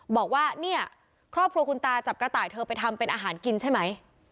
บอกว่าเนี่ยครอบครัวคุณตาจับกระต่ายเธอไปทำเป็นอาหารกินใช่ไหม